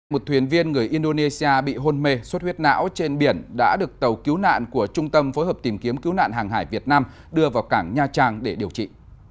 một thuyền viên người indonesia bị hôn mê suất huyết não trên biển đã được tàu cứu nạn của trung tâm phối hợp tìm kiếm cứu nạn hàng hải việt nam đưa vào cảng nha trang để điều trị